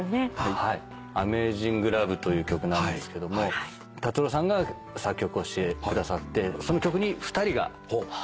『ＡｍａｚｉｎｇＬｏｖｅ』という曲なんですけれども達郎さんが作曲をしてくださってその曲に２人が詞を書くという